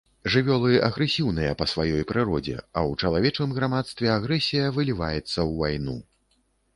Жывёлы агрэсіўныя па сваёй прыродзе, а ў чалавечым грамадстве агрэсія выліваецца ў вайну.